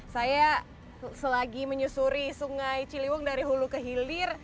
saya selagi menyusuri sungai ciliwung dari hulu ke hilir